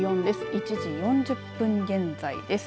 １時４０分現在です。